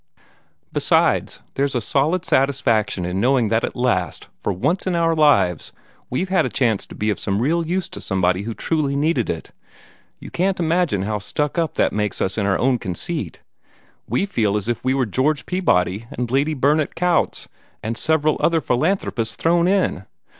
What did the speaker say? Besides, there's solid satisfaction in knowing that at last, for once in our lives we've had a chance to be of some real use to somebody who truly needed it. You can't imagine how stuck up that makes us in our own conceit. We feel as if we were George Peabody and Lady Burdett Coutts, and several other philanthropists thrown in.